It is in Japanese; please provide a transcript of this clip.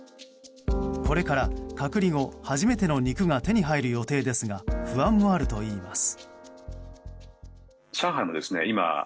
これから、隔離後初めての肉が手に入る予定ですが不安もあるといいます。